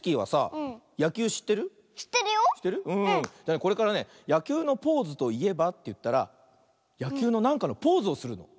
これからね「やきゅうのポーズといえば？」っていったらやきゅうのなんかのポーズをするの。